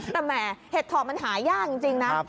แต่แหมเห็ดถอบมันหายากจริงนะ